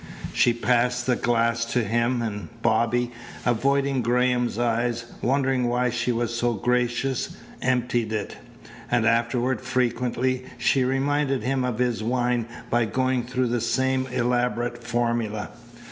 She passed the glass to him, and Bobby, avoiding Graham's eyes, wondering why she was so gracious, emptied it. And afterward frequently she reminded him of his wine by going through the same elaborate formula.